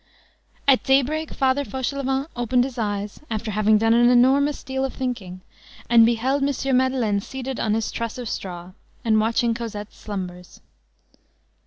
At daybreak, Father Fauchelevent opened his eyes, after having done an enormous deal of thinking, and beheld M. Madeleine seated on his truss of straw, and watching Cosette's slumbers.